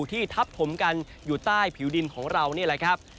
ที่ทับถมกันอยู่ใต้ผิวดินของเรานี่แหละครับ